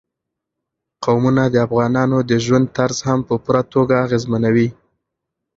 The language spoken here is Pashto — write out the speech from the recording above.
قومونه د افغانانو د ژوند طرز هم په پوره توګه اغېزمنوي.